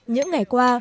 những ngày qua